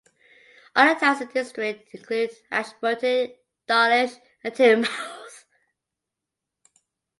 Other towns in the district include Ashburton, Dawlish and Teignmouth.